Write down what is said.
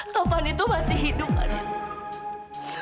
taufan itu masih hidup fadil